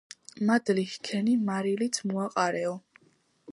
მადლი ჰქენი, მარილიც მოაყარეო